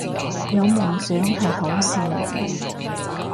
有夢想係好事嚟嘅